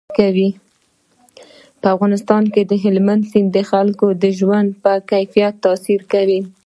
په افغانستان کې هلمند سیند د خلکو د ژوند په کیفیت تاثیر کوي.